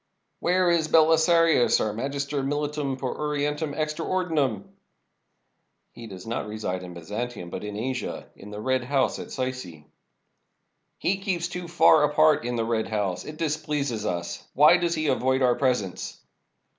"Where is Belisarius, our Magister Militum per Orien tum extra Ordinem?" "He does not reside in Byzantium, but in Asia, in the Red House at Sycse." 551 ROME "He keeps too far apart in the Red House. It dis pleases us. Why does he avoid our presence?"